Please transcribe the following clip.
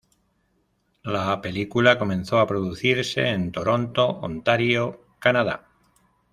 La película comenzó a producirse en Toronto, Ontario, Canadá.